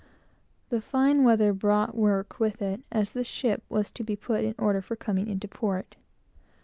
The fine weather brought work with it; as the ship was to be put in order for coming into port.